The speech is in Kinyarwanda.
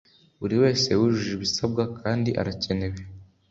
buri wese wujuje ibisabwa kandi arakenewe